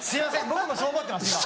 僕もそう思ってました。